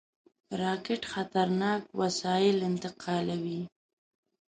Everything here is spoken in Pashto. راکټ خطرناک وسایل انتقالوي